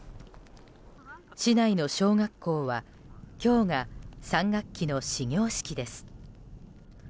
市内の小学校は今日が３学期の始業式です。